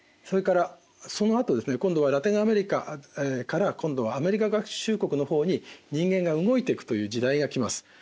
それからそのあと今度はラテンアメリカから今度はアメリカ合衆国の方に人間が動いていくという時代が来ます。